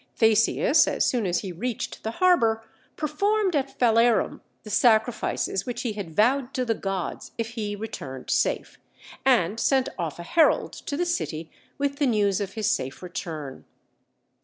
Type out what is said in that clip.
Theseus, as soon as he reached the harbor, performed at Phalerum the sacrifices which he had vowed to the gods if he returned safe, and sent off a herald to the city with the news of his safe return.